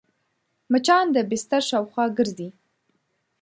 مچان د بستر شاوخوا ګرځي